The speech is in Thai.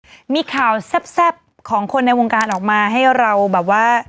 ก็มีข่าวแซ่บของคนในวงการออกมาให้เราแบบว่า